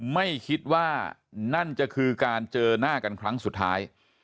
ไม่คิดว่านั่นจะคือการเจอหน้ากันครั้งสุดท้าย